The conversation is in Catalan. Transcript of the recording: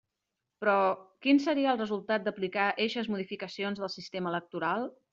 Però, ¿quin seria el resultat d'aplicar eixes modificacions del sistema electoral?